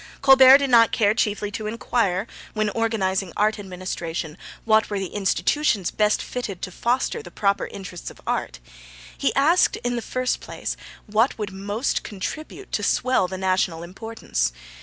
Colbert did not care chiefly to inquire, when organising art administration, what were the institutions best fitted to foster the proper interests of art; he asked, in the first place, what would most contribute to swell the national importance.